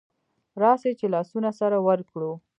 راسئ چي لاسونه سره ورکړو